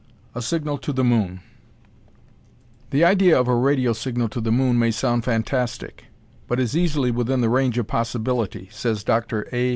A SIGNAL TO THE MOON The idea of a radio signal to the moon may sound fantastic, but is easily within the range of possibility, says Dr. A.